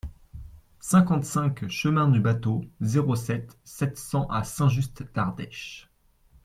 cinquante-cinq chemin du Bâteau, zéro sept, sept cents à Saint-Just-d'Ardèche